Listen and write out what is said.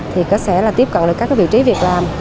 thì sẽ tiếp cận được các vị trí việc làm